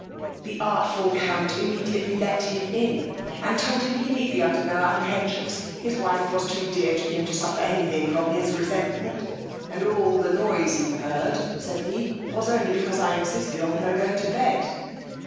The artful count immediately let him in, and told him, he need be under no apprehensions, his wife was too dear to him to suffer any thing from his resentment; and all the noise you heard, said he, was only because I insisted on her going to bed!